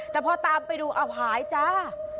แต่พอตามไปดูเอาหายจ้า